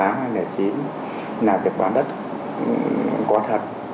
là việc bán đất có thật